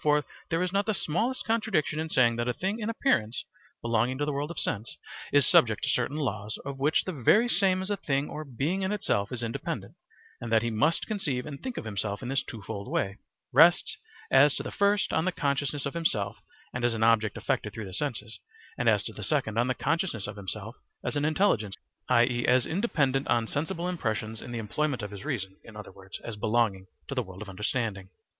For there is not the smallest contradiction in saying that a thing in appearance (belonging to the world of sense) is subject to certain laws, of which the very same as a thing or being in itself is independent, and that he must conceive and think of himself in this twofold way, rests as to the first on the consciousness of himself as an object affected through the senses, and as to the second on the consciousness of himself as an intelligence, i.e., as independent on sensible impressions in the employment of his reason (in other words as belonging to the world of understanding).